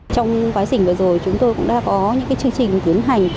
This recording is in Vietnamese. trong quá trình vừa rồi chúng tôi cũng đã có những chương trình tiến hành